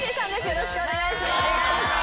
よろしくお願いします。